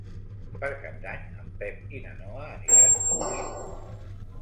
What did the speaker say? Per Cap d'Any en Pep i na Noa aniran a Onil.